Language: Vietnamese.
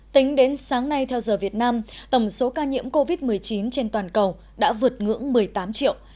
tính đến sáng nay theo giờ việt nam tổng số ca nhiễm covid một mươi chín trên toàn cầu đã vượt ngưỡng một mươi tám triệu